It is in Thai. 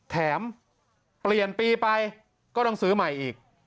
แถมเปลี่ยนปีไปก็ต้องซื้อใหม่อีก